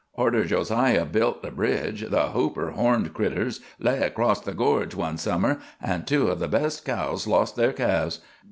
Arter Josiah built the bridge, the Hooper horned critters lay across the gorge one summer, an' two o' the best cows lost their calves.